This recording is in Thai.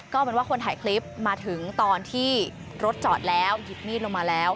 ก็เป็นว่าคนถ่ายคลิปมาถึงตอนที่รถจอดแล้วหยิบมีดลงมาแล้ว